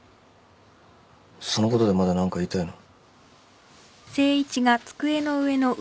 そのことでまだ何か言いたいの？